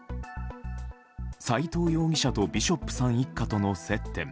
斎藤容疑者とビショップさん一家との接点。